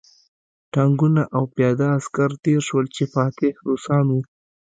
ټانکونه او پیاده عسکر تېر شول چې فاتح روسان وو